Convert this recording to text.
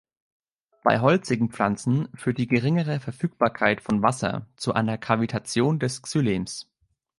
Bei holzigen Pflanzen führt die geringere Verfügbarkeit von Wasser zu einer Kavitation des Xylems.